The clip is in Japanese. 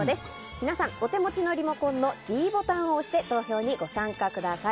皆さん、お手持ちのリモコンのｄボタンを押して投票にご参加ください。